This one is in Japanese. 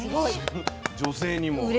女性にも。